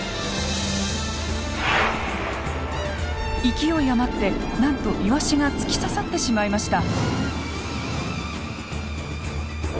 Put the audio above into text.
勢い余ってなんとイワシが突き刺さってしまいました。